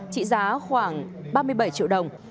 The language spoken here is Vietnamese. chỉ giá khoảng ba mươi bảy triệu đồng